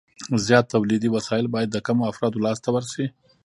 زیات تولیدي وسایل باید د کمو افرادو لاس ته ورشي